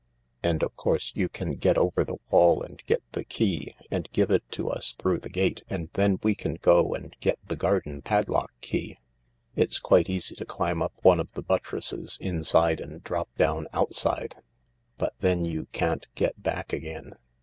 " And of course you can get over the wall and get the key and give it to us through the gate, and then we can go and get the garden padlock key. It's quite easy to climb up one of the buttresses inside and drop down outside, but then you can't get back again.